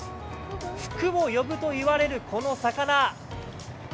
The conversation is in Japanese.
福を呼ぶといわれる、この魚。